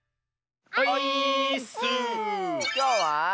きょうは。